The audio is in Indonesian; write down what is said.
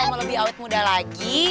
kalau mau lebih awet muda lagi